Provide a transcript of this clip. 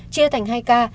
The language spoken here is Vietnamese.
chia thành hai ca